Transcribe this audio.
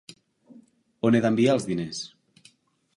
On he d'enviar els diners?